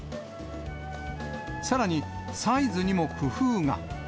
さらに、サイズにも工夫が。